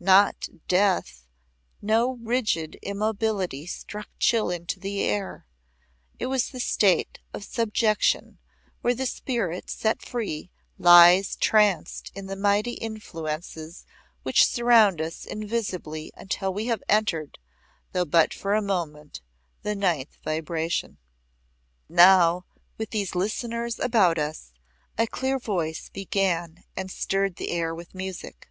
Not death no rigid immobility struck chill into the air. It was the state of subjection where the spirit set free lies tranced in the mighty influences which surround us invisibly until we have entered, though but for a moment, the Ninth Vibration. And now, with these Listeners about us, a clear voice began and stirred the air with music.